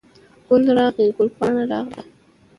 ګل راغلی، ګل پاڼه راغله